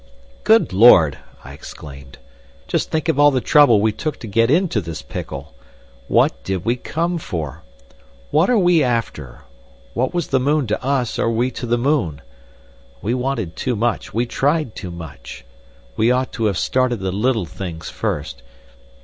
"Good Lord!" I exclaimed. "Just think of all the trouble we took to get into this pickle! What did we come for? What are we after? What was the moon to us or we to the moon? We wanted too much, we tried too much. We ought to have started the little things first.